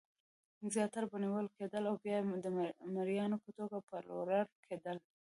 زیاتره به نیول کېدل او بیا د مریانو په توګه پلورل کېدل.